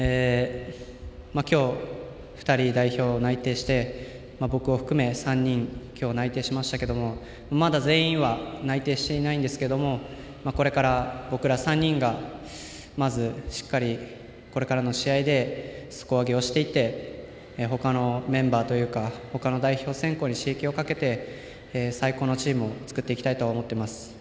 今日、２人代表内定して僕を含め３人今日内定しましたけどもまだ全員は内定していないんですけどこれから僕ら３人がまず、しっかりこれからの試合で底上げをしていってほかのメンバーというかほかの代表選考に刺激をかけて最高のチームを作っていきたいと思います。